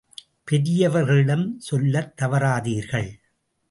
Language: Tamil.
பெரியவர்களிடம் சொல்லத் தவறாதீர்கள்.